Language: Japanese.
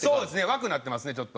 枠になってますねちょっと。